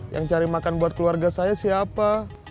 yang cari makan buat keluarga saya siapa